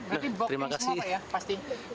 berarti booking semua pak ya